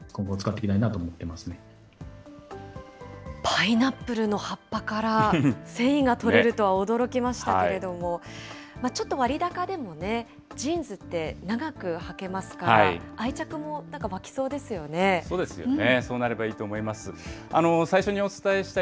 パイナップルの葉っぱから繊維が取れるとは驚きましたけれども、ちょっと割高でもね、ジーンズって長くはけますから、愛着もなんか湧きそうですよね。